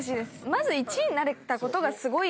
まず１位になれたことがすごいから。